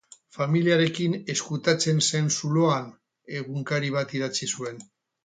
Familiarekin ezkutatzen zen zuloan egunkari bat idatzi zuen.